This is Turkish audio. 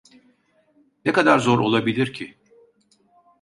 Ne kadar zor olabilir ki?